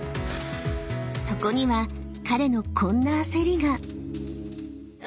［そこには彼のこんな焦りが］